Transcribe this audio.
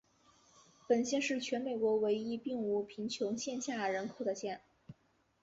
本县是全美国唯一并无贫穷线下人口的县。